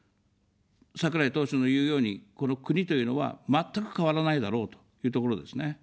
桜井党首の言うように、この国というのは全く変わらないだろうというところですね。